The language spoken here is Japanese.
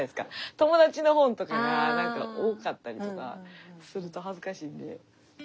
友達の本とかが多かったりとかすると恥ずかしいんで。